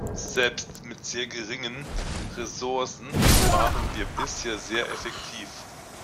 Selbst mit sehr geringen Ressourcen waren wir bisher sehr effektiv.